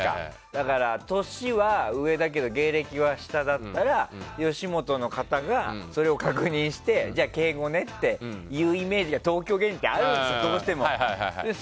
だから年は上だけど芸歴は下だったら吉本の方が、それを確認してじゃあ敬語ねっていうイメージが東京芸人ってどうしてもあるんですよ。